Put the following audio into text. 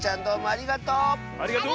ありがとう！